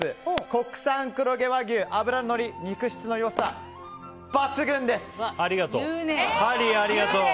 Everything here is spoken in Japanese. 国産黒毛和牛脂ののり、肉質の良さハリー、ありがとう。